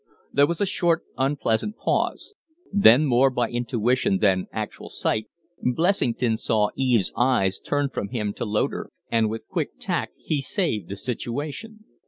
There was a short, unpleasant pause. Then, more by intuition than actual sight, Blessington saw Eve's eyes turn from him to Loder, and with quick tact he saved the situation.